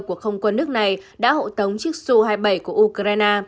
của không quân nước này đã hộ tống chiếc su hai mươi bảy của ukraine